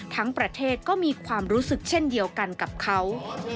ประเทศก็มีความรู้สึกเช่นเดียวกันกับเขา